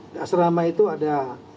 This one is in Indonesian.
di asrama itu ada